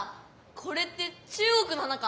これって中国の花か？